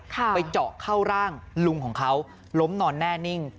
ไปเจาะเข้าร่างลุงของเขาล้มนอนแน่นิ่ง